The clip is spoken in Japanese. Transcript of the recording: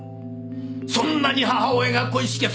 そんなに母親が恋しきゃ